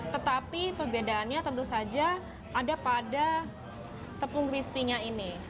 tetapi perbedaannya tentu saja ada pada tepung crispy nya ini